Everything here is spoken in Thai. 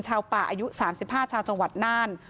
ชาวป่าอายุ๓๕ชาวจังหวัดน่าน